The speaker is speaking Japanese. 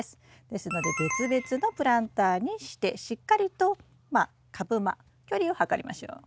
ですので別々のプランターにしてしっかりと株間距離をはかりましょう。